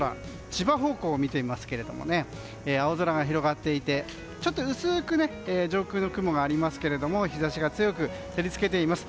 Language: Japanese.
千葉方向を見ていますが青空が広がっていてちょっと薄く上空の雲がありますが日差しが強く照り付けています。